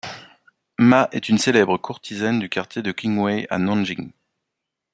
Ma est une célèbre courtisane du quartier de Qhinhuai à Nanjing.